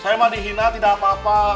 saya mau dihina tidak apa apa